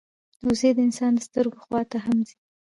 وزې د انسان د سترګو خوا ته هم ځي